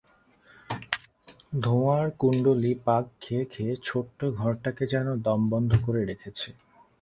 ধোঁয়ার কুণ্ডলী পাক খেয়ে খেয়ে ছোট্ট ঘরটাকে যেন দম বন্ধ করে রেখেছে।